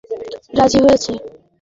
হ্যাঁ, রাজি হয়েছে।